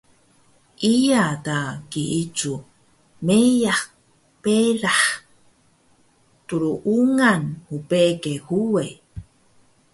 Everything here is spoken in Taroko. iya ta kiicu meyah berah tluungan mbege huwe